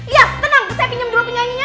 ya tenang saya pinjam dulu penyanyinya